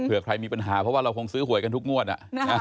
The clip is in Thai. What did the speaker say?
เพื่อใครมีปัญหาเพราะว่าเราคงซื้อหวยกันทุกงวด